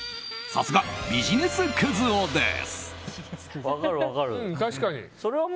さすが、ビジネスクズ男です！